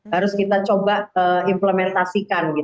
harus kita coba implementasikan